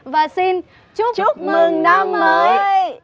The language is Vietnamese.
và xin chúc mừng năm mới